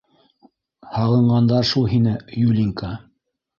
— Һағынғандар шул һине, Юлинька.